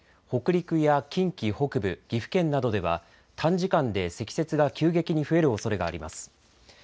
北陸や近畿北部、岐阜県などでは短時間で積雪が急激に増えるおそれがあります。